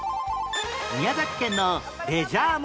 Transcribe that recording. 宮崎県のレジャー問題